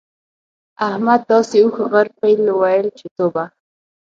احمد داسې اوښ، غر، پيل؛ ويل چې توبه!